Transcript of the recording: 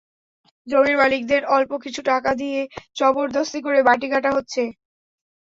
জমির মালিকদের অল্প কিছু টাকা দিয়ে জোরজবরদস্তি করে মাটি কাটা হচ্ছে।